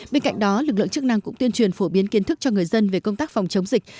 bên cạnh đó lực lượng chức năng cũng tuyên truyền phổ biến kiến thức cho người dân về công tác phòng chống dịch